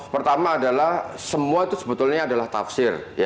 pertama adalah semua itu sebetulnya adalah tafsir